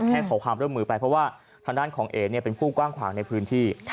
ขอความร่วมมือไปเพราะว่าทางด้านของเอ๋เป็นผู้กว้างขวางในพื้นที่